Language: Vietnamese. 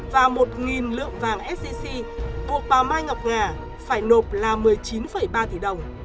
và một lượng vàng scc buộc bà mai ngọc ngà phải nộp là một mươi chín ba tỷ đồng